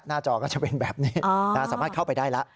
จอก็จะเป็นแบบนี้สามารถเข้าไปได้แล้ว